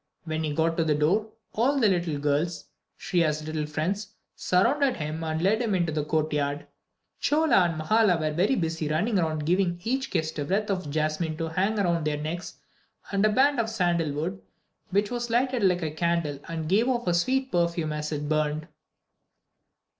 When he got to the door, all the little girls, Shriya's little friends, surrounded him and led him into the courtyard. Chola and Mahala were very busy running around giving each guest a wreath of jasmine to hang around their necks, and a wand of sandalwood, which was lighted like a candle and gave off a sweet perfume as it burned.